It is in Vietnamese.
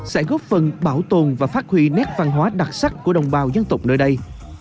sẽ góp phần bảo tồn và phát huy nét văn hóa đặc sắc của đồng bào dân tộc nơi đây